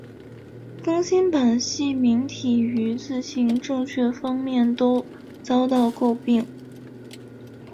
更新版细明体于字形正确方面都遭到诟病。